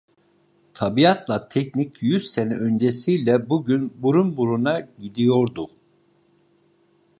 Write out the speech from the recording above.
Tabiatla teknik, yüz sene öncesiyle bugün burun buruna gidiyordu.